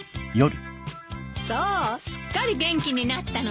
そうすっかり元気になったのね。